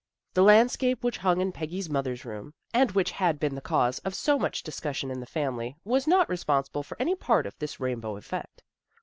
The landscape which hung in Peggy's mother's room, and which had been the cause of so much discussion in the family, was not responsible for any part ef this rainbow effect.